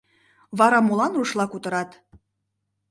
— Вара молан рушла кутырат?